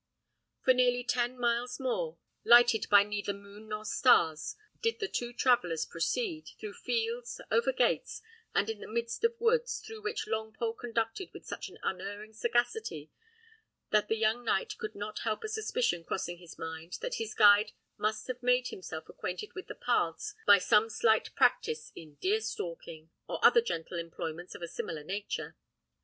For nearly ten miles more, lighted by neither moon nor stars, did the two travellers proceed, through fields, over gates, and in the midst of woods, through which Longpole conducted with such unerring sagacity, that the young knight could not help a suspicion crossing his mind that his guide must have made himself acquainted with the paths by some slight practice in deer stalking, or other gentle employments of a similar nature.